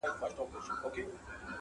په نامه د شیرنۍ حرام نه خورمه,